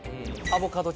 アボカド。